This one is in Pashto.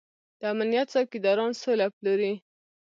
د امنيت څوکيداران سوله پلوري.